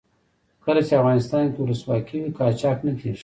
کله چې افغانستان کې ولسواکي وي قاچاق نه کیږي.